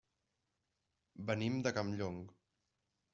Venim de Campllong.